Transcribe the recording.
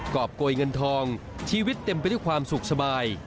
รอบโกยเงินทองชีวิตเต็มไปด้วยความสุขสบาย